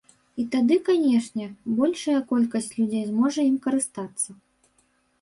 І тады, канечне, большая колькасць людзей зможа ім карыстацца.